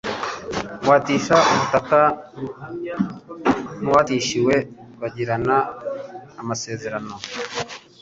uwatisha ubutaka n uwatiwe bagirana amasezerano